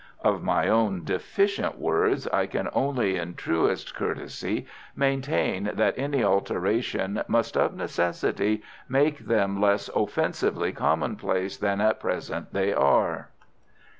Of my own deficient words, I can only in truest courtesy maintain that any alteration must of necessity make them less offensively commonplace than at present they are.